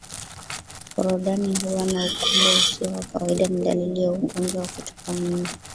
Korodani kuwa na ukubwa usio wa kawaida ni dalili ya ugonjwa wa kutupa mimba